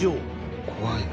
怖いな。